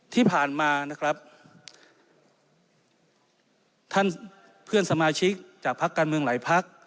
ที่ผ่านมานะครับท่านเพื่อนสมาชิกจากพักการเมืองหลายพัก